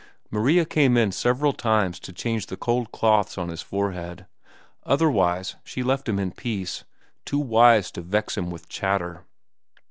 Maria came in several times to change the cold cloths on his forehead. Otherwise she left him in peace, too wise to vex him with chatter.